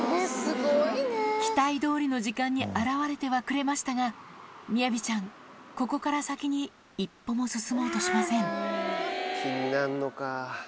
期待どおりの時間に現れてはくれましたが、みやびちゃん、ここから先に一歩も進もうとしません。